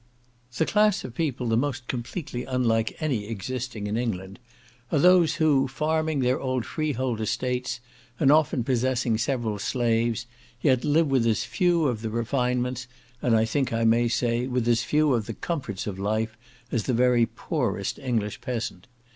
The class of people the most completely unlike any existing in England, are those who, farming their own freehold estates, and often possessing several slaves, yet live with as few of the refinements, and I think I may say, with as few of the comforts of life, as the very poorest English peasant.